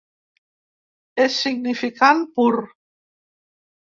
És significant pur.